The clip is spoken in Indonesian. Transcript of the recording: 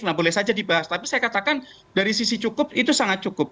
nah boleh saja dibahas tapi saya katakan dari sisi cukup itu sangat cukup